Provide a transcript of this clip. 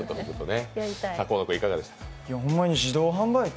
ほんまに自動販売機